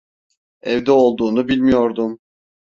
Evde olduğunu bilmiyordum.